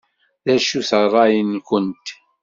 D acu-t ṛṛay-nwent?